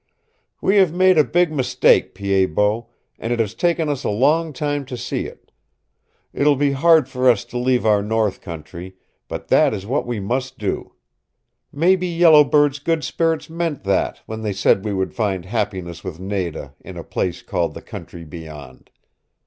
"We have made a big mistake, Pied Bot, and it has taken us a long time to see it. It will be hard for us to leave our north country, but that is what we must do. Maybe Yellow Bird's good spirits meant that when they said we would find happiness with Nada in a place called The Country Beyond.